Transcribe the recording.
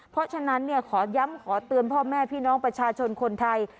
เพราะฉะนั้นขอย้ำขอเตือนพ่อแม่พี่น้องประชาชนคนไทย